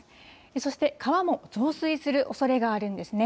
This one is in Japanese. そして川も増水するおそれがあるんですね。